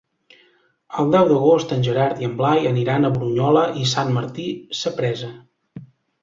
El deu d'agost en Gerard i en Blai aniran a Brunyola i Sant Martí Sapresa.